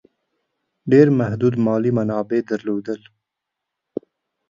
ډېر محدود مالي منابع درلودل.